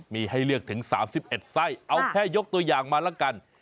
มีให้เลือกถึง๓๑ไส้เอาแค่ยกตัวอย่างมาแล้วกัน